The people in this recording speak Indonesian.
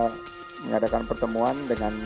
mengadakan pertemuan dengan